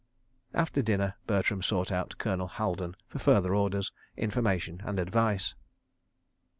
..." After dinner, Bertram sought out Colonel Haldon for further orders, information and advice.